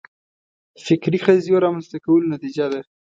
فکري قضیو رامنځته کولو نتیجه ده